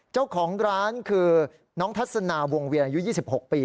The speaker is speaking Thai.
เจ้าของร้านคือน้องทัศนาวงเวียนอายุ๒๖ปี